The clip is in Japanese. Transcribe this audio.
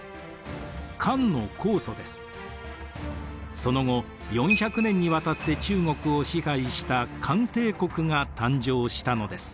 漢のその後４００年にわたって中国を支配した漢帝国が誕生したのです。